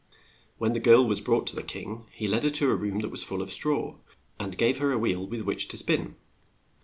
When the girl was brought to the king, he led her to a room that was full of straw, and gave her a wheel with which to spin.